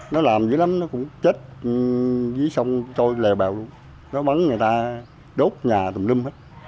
nó làm dữ lắm nó cũng chết dưới sông trôi lèo bèo luôn